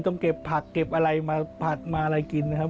ต้องเก็บผักเก็บอะไรมาผัดมาอะไรกินนะครับ